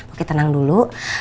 oke tenang dulu